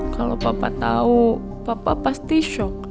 kalau papa tahu papa pasti shock